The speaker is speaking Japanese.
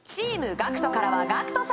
ＧＡＣＫＴからはＧＡＣＫＴ様